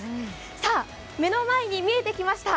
さあ、目の前に見えてきました、